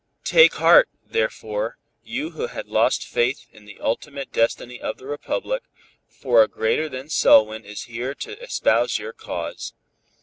Take heart, therefore, you who had lost faith in the ultimate destiny of the Republic, for a greater than Selwyn is here to espouse your cause.